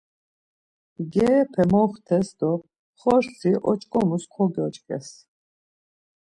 Mgerepe moxtes do xortsi oç̌ǩomus kogyoç̌ǩes.